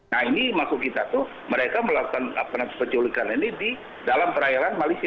nah ini maksud kita tuh mereka melakukan penculikan ini di dalam perairan malaysia